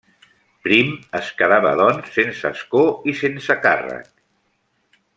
Prim es quedava doncs sense escó i sense càrrec.